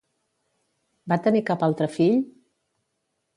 Va tenir cap altre fill?